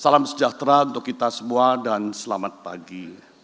salam sejahtera untuk kita semua dan selamat pagi